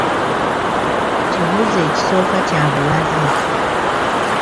Kibuuzo ekisooka kya buwaze.